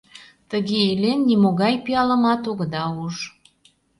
Тыге илен, нимогай пиалымат огыда уж.